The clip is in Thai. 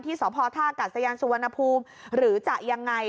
ที่สภธาตุการณ์สยานสุวรรณภูมิหรือจะยังไง